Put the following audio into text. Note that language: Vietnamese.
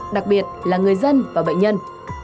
đặc biệt là người dân và bệnh nhân